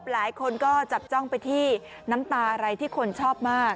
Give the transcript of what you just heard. หลายคนก็จับจ้องไปที่น้ำตาอะไรที่คนชอบมาก